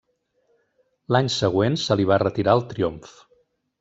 L'any següent se li va retirar el triomf.